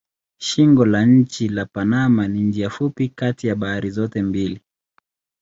Shingo ya nchi la Panama ni njia fupi kati ya bahari zote mbili.